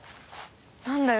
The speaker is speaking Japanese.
何だよ